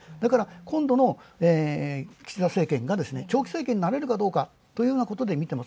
今度の岸田政権が長期政権になれるかどうかというようなことで見てます。